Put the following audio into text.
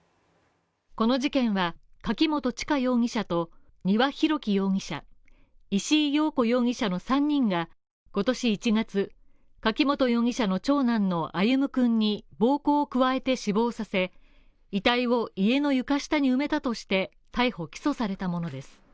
この事件は、柿本知香容疑者と丹羽洋樹容疑者、石井陽子容疑者の３人が今年１月、柿本容疑者の長男の歩夢君に暴行を加えて死亡させ、遺体を家の床下に埋めたとして逮捕・起訴されたものです。